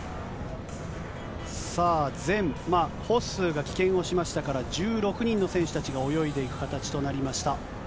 さあ、全、ホッスーが棄権をしましたから、１６人の選手たちが泳いでいく形となりました。